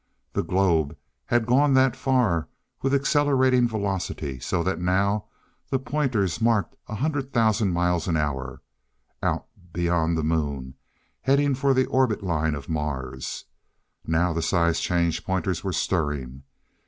The globe had gone that far with accelerating velocity so that now the pointers marked a hundred thousand miles an hour out beyond the Moon, heading for the orbit line of Mars. Now the size change pointers were stirring.